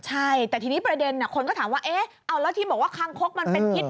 ใช่แต่ทีนี้ประเด็นคนก็ถามว่าเอ๊ะเอาแล้วที่บอกว่าคางคกมันเป็นพิษ